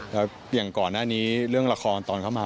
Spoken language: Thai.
อย่างก่อนหน้านี้เรื่องละครตอนเข้ามา